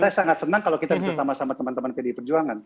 saya sangat senang kalau kita bisa sama sama teman teman pdi perjuangan